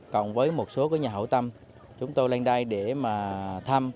cộng với một số nhà hảo tâm chúng tôi lên đây để thăm